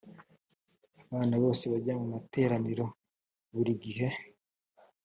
abana bose bajya mu materaniro buri gihe.